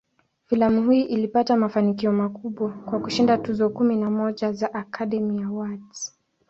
Filamu hii ilipata mafanikio makubwa, kwa kushinda tuzo kumi na moja za "Academy Awards".